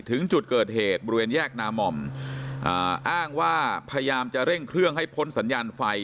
ถึงจุดเกิดเหตุบริเวณแยกนามอมอ้างว่าพยายามจะเร่งเครื่องให้พ้นสัญญาณไฟ